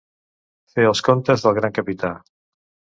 Fer els comptes del gran capità.